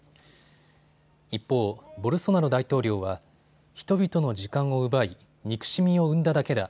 一方、ボルソナロ大統領は人々の時間を奪い憎しみを生んだだけだ。